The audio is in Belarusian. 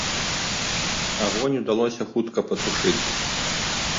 Агонь удалося хутка патушыць.